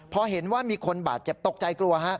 พอเห็นว่ามีคนบาดเจ็บตกใจกลัวฮะ